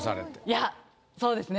いやそうですね。